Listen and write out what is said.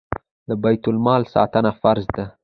د بیت المال ساتنه فرض ده